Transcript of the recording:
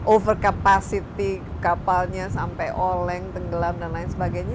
over capacity kapalnya sampai oleng tenggelam dan lain sebagainya